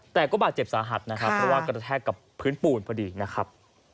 แต่ก็บาดเจ็บสาหัสนะครับเพราะว่ากระแทกกับพื้นปูนพอดีนะครับ